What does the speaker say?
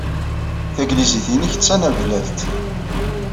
Tanglizit-nnek d tanablalt.